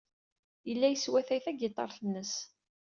Yella yeswatay tagiṭart-nnes.